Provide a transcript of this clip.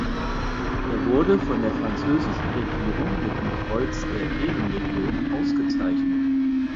Er wurde von der französischen Regierung mit dem Kreuz der Ehrenlegion ausgezeichnet.